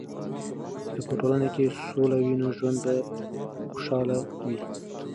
که په ټولنه کې سولې وي، نو ژوند به خوشحاله وي.